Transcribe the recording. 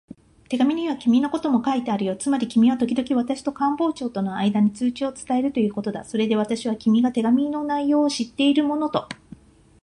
手紙には君のことも書いてあるよ。つまり君はときどき私と官房長とのあいだの通知を伝えるということだ。それで私は、君が手紙の内容を知っているものと